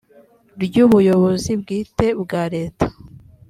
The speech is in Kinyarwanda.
ry ubuyobozi bwite bwa leta